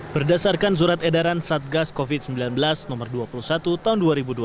berdasarkan surat edaran satgas covid sembilan belas no dua puluh satu tahun dua ribu dua puluh